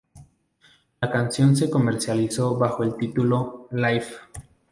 La canción se comercializó bajo el título "Life?